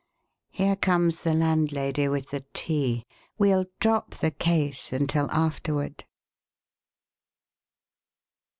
Here comes the landlady with the tea. We'll drop the 'case' until afterward."